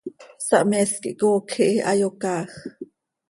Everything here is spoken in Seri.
Sahmees quih coocj ihi, hayocaaaj.